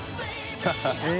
ハハハ